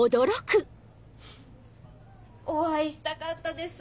お会いしたかったです